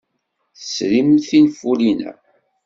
Tesrimt tinfulin-a?